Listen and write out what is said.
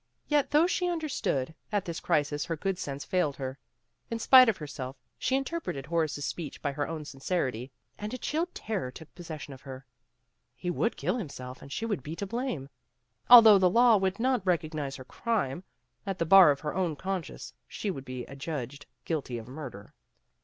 Yet though she understood, at this crisis her good sense failed her. In spite of herself, she interpreted Horace's speech by her own sincerity, and a chill terror took possession of her. He would kill himself and she would be to blame. Although the law would not recognize her crime, at the bar of her own conscience she would be adjudged guilty of murder.